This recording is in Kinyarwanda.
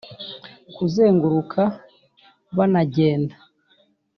kuzenguruka bana genda